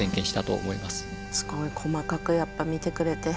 すごい細かくやっぱ見てくれて。